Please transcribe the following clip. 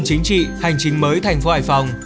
chính trị hành chính mới thành phố hải phòng